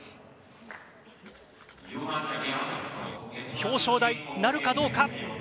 表彰台なるかどうか。